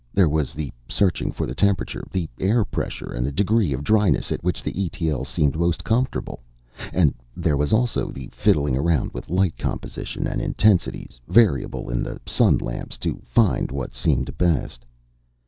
There was the searching for the temperature, the air pressure and the degree of dryness at which the E.T.L. seemed most comfortable. And there was also the fiddling around with light composition and intensities, variable in the sun lamps, to find what seemed best.